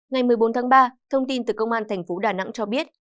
ngày một mươi bốn tháng ba thông tin từ công an thành phố đà nẵng cho biết